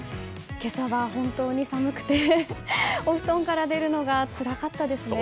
今朝は本当に寒くてお布団から出るのがつらかったですね。